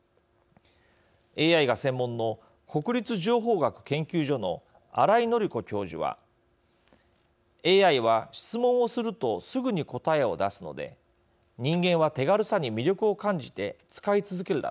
ＡＩが専門の国立情報学研究所の新井紀子教授はＡＩは質問をするとすぐに答えを出すので人間は手軽さに魅力を感じて使い続けるだろう。